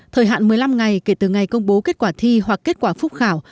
thời hạn một mươi năm ngày kể từ ngày công bố kết quả thi hoặc kết quả phúc khảo